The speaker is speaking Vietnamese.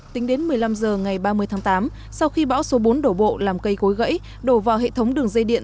tính đến một mươi năm h ngày ba mươi tháng tám sau khi bão số bốn đổ bộ làm cây cối gãy đổ vào hệ thống đường dây điện